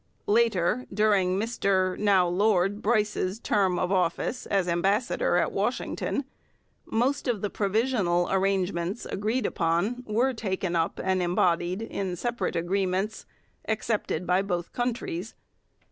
Later, during Mr, now Lord, Bryce's term of office as ambassador at Washington, most of the provisional arrangements agreed upon were taken up and embodied in separate agreements, accepted by both countries.